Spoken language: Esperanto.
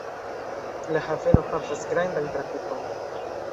La haveno havas grandan trafikon.